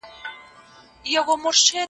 نو اوس وخت مه ضایع کوئ.